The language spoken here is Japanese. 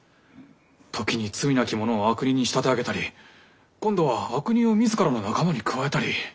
時に罪なき者を悪人に仕立て上げたり今度は悪人を自らの仲間に加えたり。